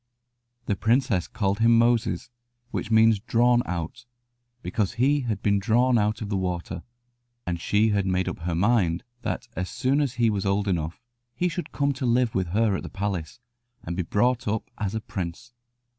The princess called him Moses, which means "drawn out," because he had been drawn out of the water, and she had made up her mind that as soon as he was old enough he should come to live with her at the palace, and be brought up as a prince.